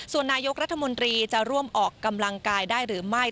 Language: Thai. ส่วนนายกรัฐมนตรีจะร่วมออกกำลังกายได้หรือไม่